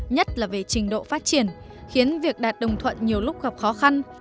nhất là về trình độ phát triển khiến việc đạt đồng thuận nhiều lúc gặp khó khăn